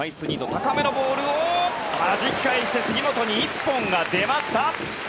高めのボールをはじき返して杉本に１本が出ました。